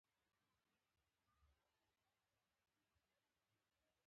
پر زړه مي راوګرځېدل .